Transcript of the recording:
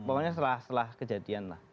pokoknya setelah setelah kejadian lah